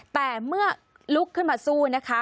แต่เมื่อลุกขึ้นมาสู้นะคะ